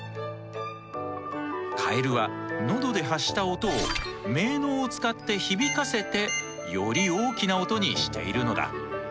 カエルは喉で発した音を鳴のうを使って響かせてより大きな音にしているのだ。